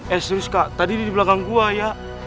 eh serius kak tadi dia di belakang gue ya